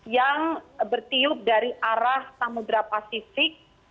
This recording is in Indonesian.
yang bertiup dari arah samudera pasifik